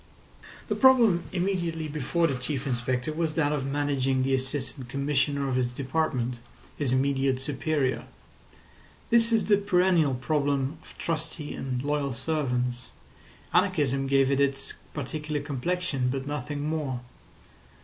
The problem immediately before the Chief Inspector was that of managing the Assistant Commissioner of his department, his immediate superior. This is the perennial problem of trusty and loyal servants; anarchism gave it its particular complexion, but nothing more.